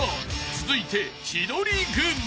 ［続いて千鳥軍］